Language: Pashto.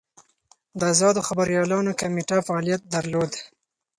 د ازادو خبریالانو کمېټه فعالیت درلود.